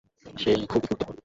সে খুবই গুরুত্বপূর্ণ।